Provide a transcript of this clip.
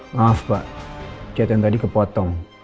maaf pak chat yang tadi kepotong